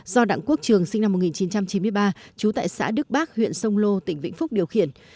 do đặng quốc trường sinh năm một nghìn chín trăm chín mươi ba trú tại xã đức bác huyện sông lô tỉnh vĩnh phúc điều khiển